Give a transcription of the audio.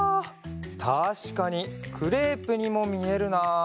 たしかにクレープにもみえるな。